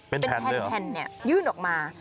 เป็นแผ่นเนี่ยยื่นออกมา